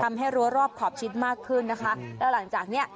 รั้วรอบขอบชิดมากขึ้นนะคะแล้วหลังจากเนี้ย